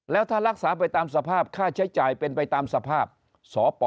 แล้วถ้ารักษาไปตามสภาพค่าใช้จ่ายเป็นไปตามสภาพสป